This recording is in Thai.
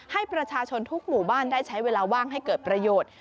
ให้ประชาชนทุกหมู่บ้านได้ใช้เวลาว่างให้เกิดประโยชน์